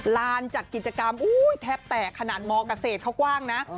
ลานจัดกิจกรรมแทบแตกขนาดมเกษตรเขากว้างนะ